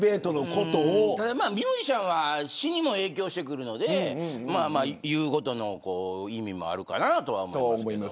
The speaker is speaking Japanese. ただ、ミュージシャンは詞にも影響してくるので言うことの意味もあるのかなと思いますけど。